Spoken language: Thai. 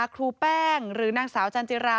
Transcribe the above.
ครูแป้งหรือนางสาวจันจิรา